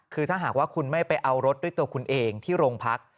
คือถ้าหากว่าคุณไม่ไปเอารถด้วยตัวคุณเองที่โรงพัก